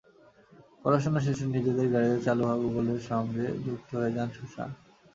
পড়াশোনা শেষে নিজেদের গ্যারেজে চালু হওয়া গুগলের সঙ্গে যুক্ত হয়ে যান সুসান।